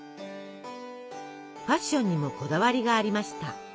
ファッションにもこだわりがありました。